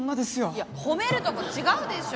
いや褒めるとこ違うでしょ。